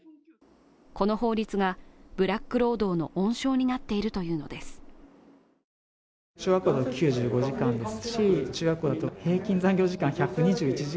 この法律がブラック労働の温床になっているというのです。